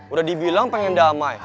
udah dibilang pengen damai